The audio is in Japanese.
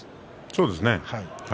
そうですね。